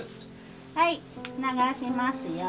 はい流しますよ。